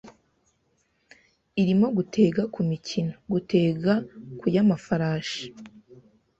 irimo gutega ku mikino , gutega ku y’amafarashi